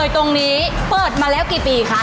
ตรงนี้เปิดมาแล้วกี่ปีคะ